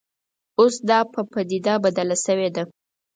اوس دا په پدیده بدله شوې ده